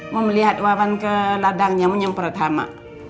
mau melihat wawan ke ladangnya menyemprot hama